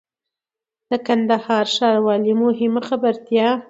د کندهار ښاروالۍ مهمه خبرتيا